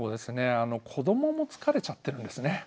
あの子どもも疲れちゃってるんですね。